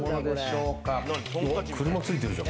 車ついてるじゃん。